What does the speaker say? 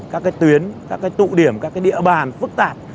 các cái tuyến các cái tụ điểm các cái địa bàn phức tạp